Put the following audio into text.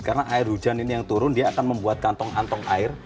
karena air hujan ini yang turun dia akan membuat kantong kantong air